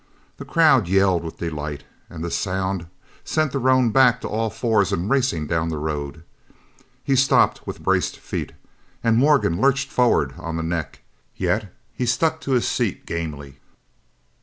The crowd yelled with delight, and the sound sent the roan back to all fours and racing down the road. He stopped with braced feet, and Morgan lurched forwards on the neck, yet he struck to his seat gamely.